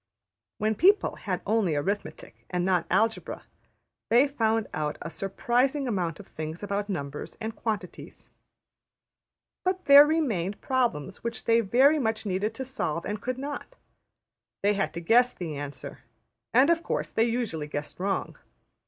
When people had only arithmetic and not algebra, they found out a surprising amount of things about numbers and quantities. But there remained problems which they very much needed to solve and could not. They had to guess the answer; and, of course, they usually guessed wrong.